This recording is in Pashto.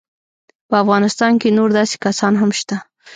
په افغانستان کې نور داسې کسان هم شته.